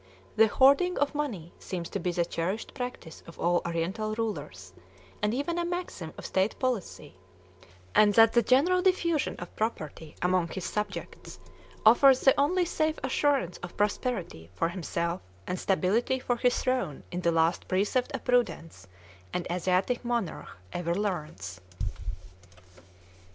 The hoarding of money seems to be the cherished practice of all Oriental rulers, and even a maxim of state policy; and that the general diffusion of property among his subjects offers the only safe assurance of prosperity for himself and stability for his throne is the last precept of prudence an Asiatic monarch ever learns.